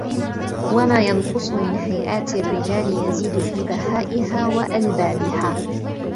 وَمَا يَنْقُصُ مِنْ هَيْئَاتِ الرِّجَالِ يَزِيدُ فِي بِهَائِهَا وَأَلْبَابِهَا